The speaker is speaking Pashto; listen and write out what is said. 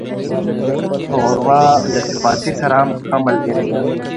ښوروا له چپاتي سره هم ښه ملګری ده.